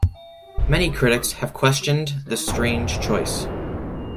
Many critics have questioned this strange choice.